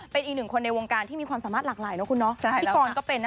เป็นอีกหนึ่งคนในวงการที่มีความสามารถหลากหลายเนอะคุณเนอะ